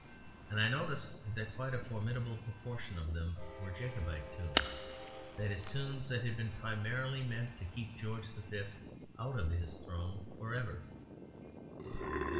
And I noticed that quite a formidable proportion of them were Jacobite tunes; that is, tunes that had been primarily meant to keep George V out of his throne for ever.